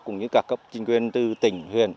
cũng như các cấp chính quyền từ tỉnh huyện